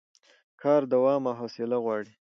کار دوام او حوصله غواړي